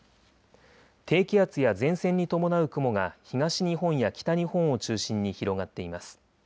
低気圧や前線に伴う雲が東日本や北日本を中心に広がっています。